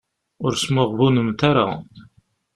Ur smuɣbunemt ara.